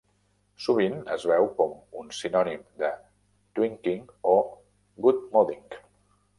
Sovint es veu com un sinònim de "twinking" o "godmoding".